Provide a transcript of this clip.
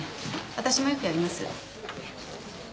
私もよくやります。